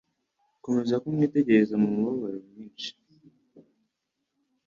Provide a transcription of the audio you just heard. Akomeza kumwitegereza, mu mubabaro mwinshi,